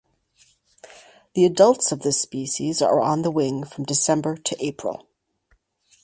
The adults of this species are on the wing from December to April.